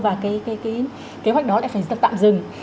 và cái kế hoạch đó lại phải tạm dừng